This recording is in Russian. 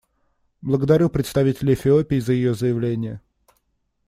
Благодарю представителя Эфиопии за ее заявление.